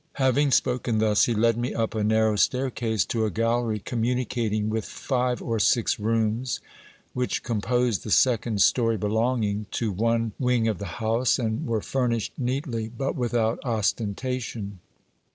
Having spoken thus, he led me up a narrow staircase to a gallery communicat ing with five or six rooms, which composed the second story belonging to one wing of the house, and were furnished neatly, but without ostentation.